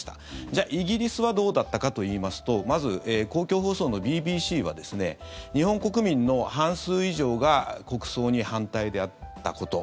じゃあ、イギリスはどうだったかといいますとまず、公共放送のＢＢＣは日本国民の半数以上が国葬に反対であったこと。